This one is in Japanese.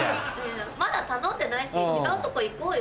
まだ頼んでないし違うとこ行こうよ。